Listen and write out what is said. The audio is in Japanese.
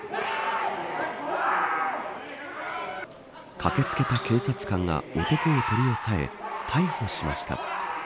駆け付けた警察官が男を取り押さえ逮捕しました。